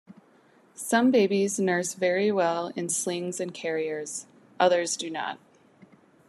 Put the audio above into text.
Some babies nurse very well in slings and carriers, others do not.